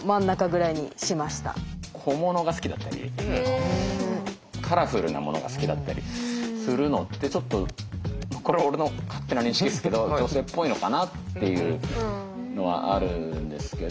小物が好きだったりカラフルなものが好きだったりするのってこれは俺の勝手な認識ですけど女性っぽいのかなっていうのはあるんですけど。